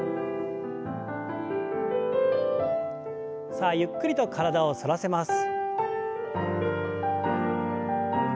さあゆっくりと体を反らせます。